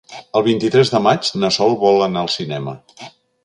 El vint-i-tres de maig na Sol vol anar al cinema.